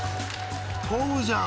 トムじゃん！